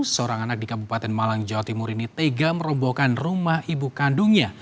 seorang anak di kabupaten malang jawa timur ini tega merobohkan rumah ibu kandungnya